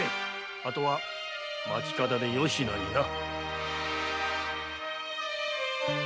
あとは町方でよしなにな。